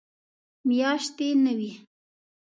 میاشتې نه وي.